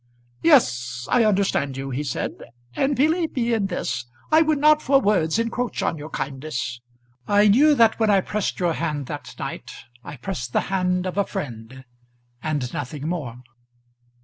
"Yes, I understand you," he said. "And believe me in this I would not for worlds encroach on your kindness. I knew that when I pressed your hand that night, I pressed the hand of a friend, and nothing more."